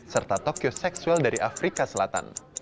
serta tokyo seksual dari afrika selatan